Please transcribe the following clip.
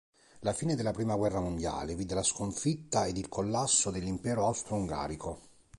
La fine della prima guerra mondiale vide la sconfitta ed il collasso dell'Impero austro-ungarico.